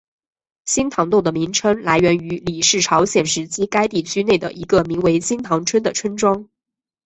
新堂洞的名称来源于李氏朝鲜时期该地区内的一个名为新堂村的村庄。